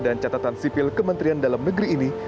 dan catatan sipil kementerian dalam negeri ini